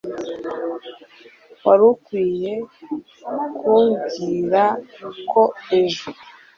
Wari ukwiye kumbwira ko ejo.